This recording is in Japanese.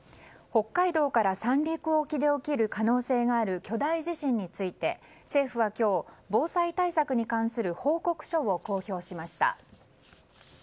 北海道から三陸沖で起きる可能性がある巨大地震について政府は今日防災対策に関する報告書を公表しました。